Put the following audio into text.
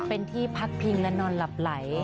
เป็นที่พักพิงและนอนหลับไหล